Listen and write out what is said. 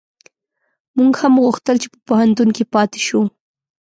موږ هم غوښتل چي په پوهنتون کي پاته شو